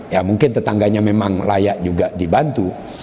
ya mungkin tetangganya memang layak juga dibantu